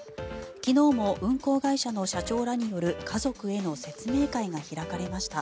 昨日も運航会社の社長らによる家族への説明会が開かれました。